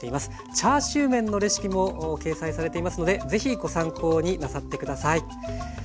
チャーシューメンのレシピも掲載されていますので是非ご参考になさって下さい。